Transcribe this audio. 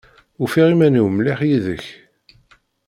Ufiɣ uman-iw mliḥ yid-k.